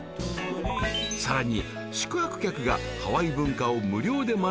［さらに］